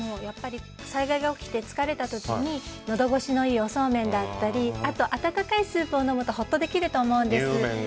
災害が起きて疲れた時にのど越しのいいお素麺だったりあと、温かいスープを飲むとほっとできると思うんです。